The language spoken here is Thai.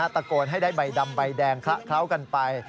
ตะโกนให้ได้ใบดำใบแดงคละเคล้ากันไป